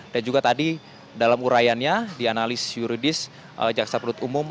dan juga tadi dalam uraiannya di analis juridis jaksa perut umum